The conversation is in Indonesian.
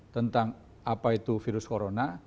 tentang apa itu virus corona